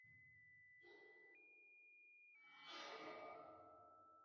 改装部品则藉由行车的里程数取得。